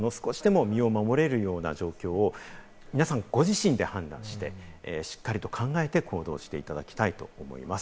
とにかく少しでも身を守れるような状況を、皆さんご自身で判断して、しっかりと考えて行動していただきたいと思います。